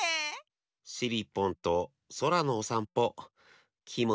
しりっぽんとそらのおさんぽきもちよかったなあ。